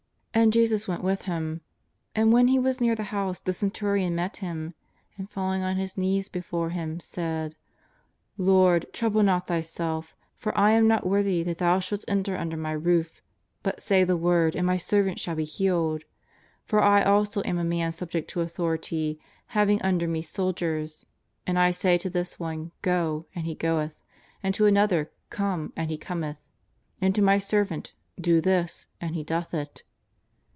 '' And Jesus went with them. And when He was near the house the centurion met Him, and, falling on his knees before Him, said :^^ Lord, trouble not Thyself, for I am not worthy that Thou shouldst enter under my roof, but say the word and my servant shall be healed. For I also am a man subject to authority having under me soldiers; and I say to this one: Go, and he goeth, and to another: Come, and he cometh, and to my servant : Do this, and he doth it."